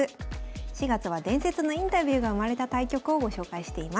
４月は伝説のインタビューが生まれた対局をご紹介しています。